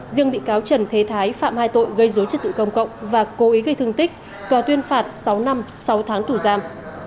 riêng bị cáo trần thế thái phạm hai tội gây dối trật tự công cộng và cố ý gây thương tích tòa tuyên phạt sáu năm sáu tháng tù giam